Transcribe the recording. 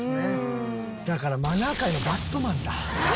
だからマナー界のバットマンだ。